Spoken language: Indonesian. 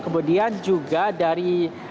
kemudian juga dari